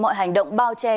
mọi hành động bao che